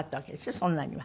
そんなには。